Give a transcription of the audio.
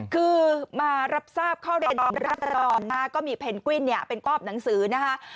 คือมารับทราบเข้าเรียนรับรองนะฮะก็มีเพนกวิ้นเนี่ยเป็นกรอบหนังสือนะคะ